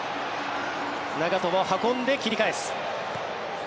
長友が運んで切り返す。